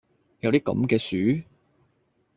有啲咁嘅樹?